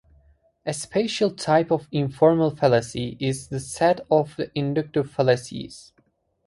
A special type of informal fallacy is the set of inductive fallacies.